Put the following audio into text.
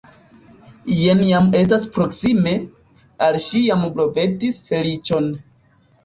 Jen jam estas proksime, al ŝi jam blovetis feliĉo.